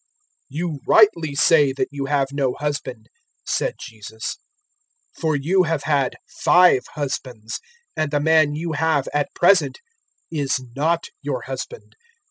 "You rightly say that you have no husband," said Jesus; 004:018 "for you have had five husbands, and the man you have at present is not your husband.